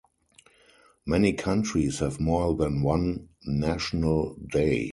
Many countries have more than one national day.